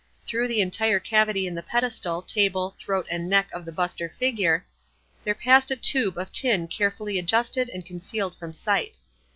Through the entire cavity in the pedestal, table, throat and neck of the bust or figure, there passed a tube of tin carefully adjusted and concealed from sight.